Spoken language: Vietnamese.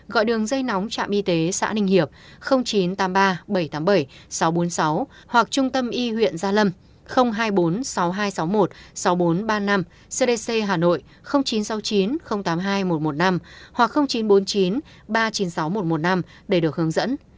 gọi đường dây nóng trạm y tế xã ninh hiệp chín trăm tám mươi ba bảy trăm tám mươi bảy sáu trăm bốn mươi sáu hoặc trung tâm y huyện gia lâm hai mươi bốn sáu nghìn hai trăm sáu mươi một sáu nghìn bốn trăm ba mươi năm cdc hà nội chín trăm sáu mươi chín tám mươi hai một trăm một mươi năm hoặc chín trăm bốn mươi chín ba trăm chín mươi sáu một trăm một mươi năm để được hướng dẫn